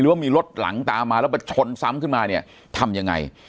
ว่ามีรถหลังตามมาแล้วมาชนซ้ำขึ้นมาเนี่ยทำยังไง